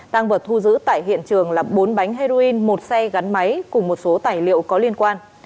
tăng vật thu giữ tại hiện trường là bốn bánh heroin một xe gắn máy cùng một số tài liệu có liên quan